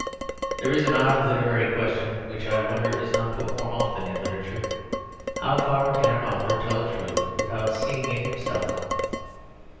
There is an odd literary question which I wonder is not put more often in literature. How far can an author tell a truth without seeing it himself?